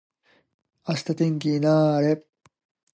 明日天気にな～れ。